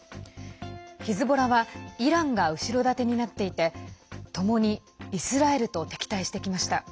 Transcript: ヒズボラはイランが後ろ盾になっていてともにイスラエルと敵対してきました。